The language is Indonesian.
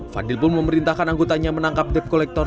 fadil pun memerintahkan anggotanya menangkap dep kolektor